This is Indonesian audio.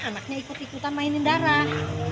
anaknya ikut ikutan mainin darah